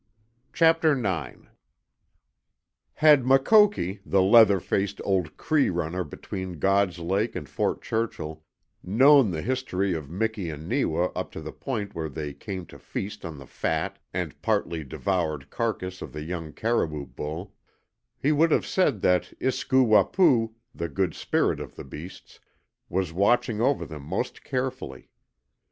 CHAPTER NINE Had Makoki, the leather faced old Cree runner between God's Lake and Fort Churchill, known the history of Miki and Neewa up to the point where they came to feast on the fat and partly devoured carcass of the young caribou bull, he would have said that Iskoo Wapoo, the Good Spirit of the beasts, was watching over them most carefully.